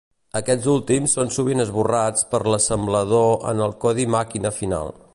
Aquests últims són sovint esborrats per l'assemblador en el codi màquina final.